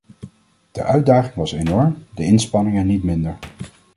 De uitdaging was enorm, de inspanningen niet minder.